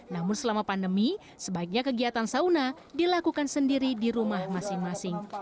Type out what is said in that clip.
namun selama pandemi sebaiknya kegiatan sauna dilakukan sendiri di rumah masing masing